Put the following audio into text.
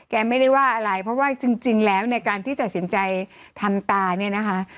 ไม่ได้ว่าอะไรเพราะว่าจริงแล้วในการที่ตัดสินใจทำตาเนี่ยนะคะ